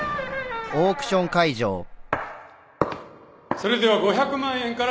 それでは５００万円からスタート。